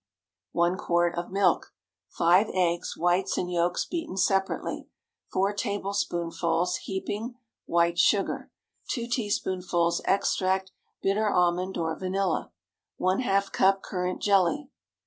✠ 1 quart of milk. 5 eggs—whites and yolks beaten separately. 4 tablespoonfuls (heaping) white sugar. 2 teaspoonfuls extract bitter almond or vanilla. ½ cup currant jelly.